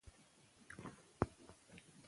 خو د هغه شاعري د اجمل خټک په شان مشهوره نه شوه.